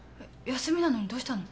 休みなのにどうしたの？